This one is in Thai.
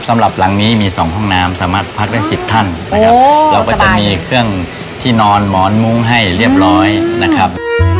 สำหรับหลังนี้มีสองห้องน้ำสามารถพักได้สิบท่านนะครับเราก็จะมีเครื่องที่นอนหมอนมุ้งให้เรียบร้อยนะครับ